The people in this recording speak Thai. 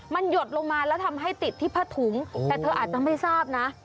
มันหยดลงมาแล้วทำให้ติดที่ผ้าถุงแต่เธออาจจะไม่ทราบนะ